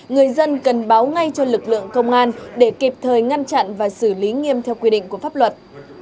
người dân cần báo ngay cho lực lượng công an để kịp thời ngăn chặn và xử lý nghiêm theo quy định của pháp luật